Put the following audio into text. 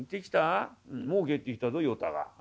もう帰ってきたぞ与太が。